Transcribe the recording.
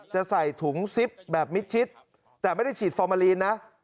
จะใส่ถุงซิปแบบมิดชิดแต่ไม่ได้ฉีดฟอร์มาลีนนะ